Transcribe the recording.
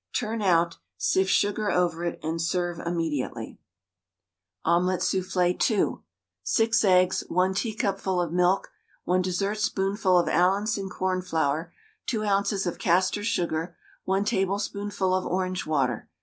Turn out, sift sugar over it, and serve immediately. OMELET SOUFFLÉ (2). 6 eggs, 1 teacupful of milk, 1 dessertspoonful of Allinson cornflour, 2 oz. of castor sugar, I tablespoonful of orange water.